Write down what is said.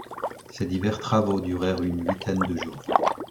Ces divers travaux durèrent une huitaine de jours.